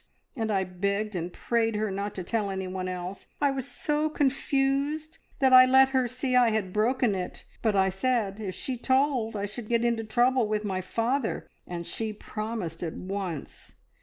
and I begged and prayed her not to tell anyone else. I was so confused that I let her see I had broken it, but I said if she told I should get into trouble with my father, and she promised at once.